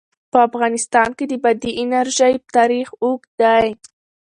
په افغانستان کې د بادي انرژي تاریخ اوږد دی.